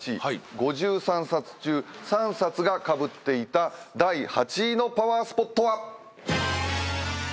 ５３冊中３冊がかぶっていた第８位のパワースポットは。